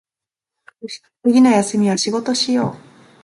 よし、次の休みは仕事しよう